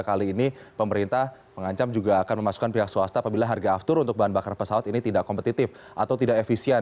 kali ini pemerintah mengancam juga akan memasukkan pihak swasta apabila harga aftur untuk bahan bakar pesawat ini tidak kompetitif atau tidak efisien